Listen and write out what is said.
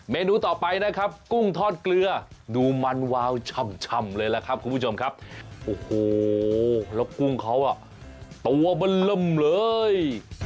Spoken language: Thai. นูต่อไปนะครับกุ้งทอดเกลือดูมันวาวช่ำเลยล่ะครับคุณผู้ชมครับโอ้โหแล้วกุ้งเขาอ่ะตัวมันเริ่มเลย